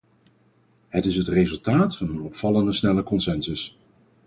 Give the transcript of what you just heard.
Het is het resultaat van een opvallend snelle consensus.